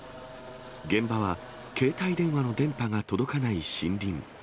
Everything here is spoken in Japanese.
現場は携帯電話の電波が届かない森林。